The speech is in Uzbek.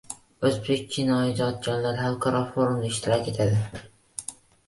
O‘zbek kinoijodkorlari xalqaro forumda ishtirok etadi